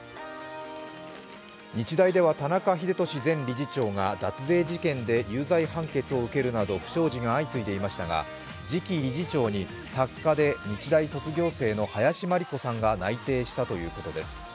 日大では田中英寿前理事長が脱税事件で有罪判決を受けるなど不祥事が相次いでいましたが、次期理事長に、作家で日大卒業生の林真理子さんが内定したということです。